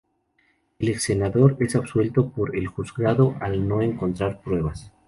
El ex-senador es absuelto por el juzgado al no encontrar pruebas.